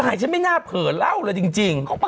ฉันไม่น่าเผลอเล่าเลยจริง